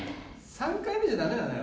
３回目じゃダメなのよ。